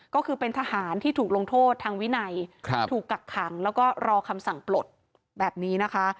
ก็คือเป็นทหารที่ถูกลงโทษทางวินัยถูกกักขังแล้วก็รอคำสั่งปลดแบบนี้นะคะ